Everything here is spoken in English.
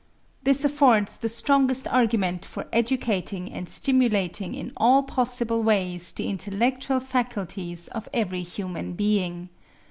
This affords the strongest argument for educating and stimulating in all possible ways the intellectual faculties of every human being.